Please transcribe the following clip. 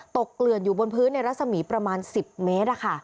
เกลื่อนอยู่บนพื้นในรัศมีประมาณ๑๐เมตร